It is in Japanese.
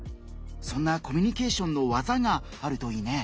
そんなコミュニケーションの技があるといいね。